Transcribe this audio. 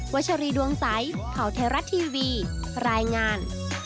วัชรีดวงไซค์ข่าวเทราะทีวีรายงาน